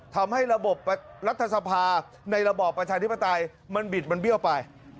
ทำให้ระบบรัฐสภาในระบอบประชาธิปไตยมันบิดมันเบี้ยวไป